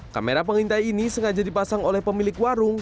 kamera pengintai ini sengaja dipasang oleh pemilik warung